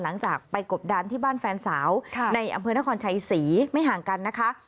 หลังจากไปกบดานที่บ้านแฟนสาวในอำเภอนครชัยศรีไม่ห่างกันนะคะ